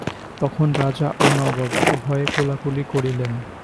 তখন রাজা ও নবাব উভয়ে কোলাকুলি করিলেন।